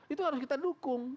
itu harus kita dukung